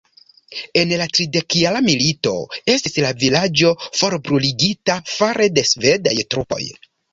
En la Tridekjara Milito estis la vilaĝo forbruligita fare de svedaj trupoj.